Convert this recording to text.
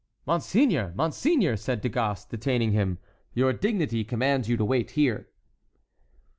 "Monseigneur, monseigneur!" said Du Gast, detaining him, "your dignity commands you to wait here."